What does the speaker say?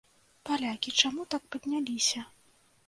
Палякі чаму так падняліся?